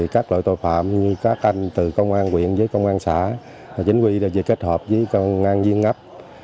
các loại tội phạm như các anh từ công an quyện với công an xã chính quyền kết hợp với công an viên ngấp